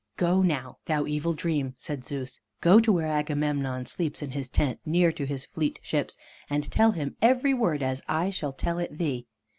"Go now, thou evil Dream," said Zeus, "go to where Agamemnon sleeps in his tent near to his fleet ships, and tell him every word as I shall tell it thee.